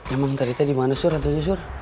emang entar kita dimana sur hantunya sur